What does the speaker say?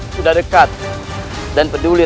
sudah dekat dan peduli